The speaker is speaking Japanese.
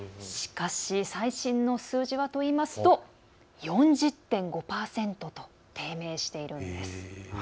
しかし、最新の数字はといいますと４０．５％と低迷しているんです。